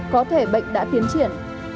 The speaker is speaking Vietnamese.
có thể bệnh đã tiến triển